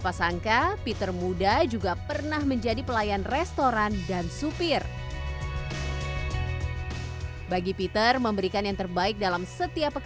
bagaimana mencari nasi seasi yang jelas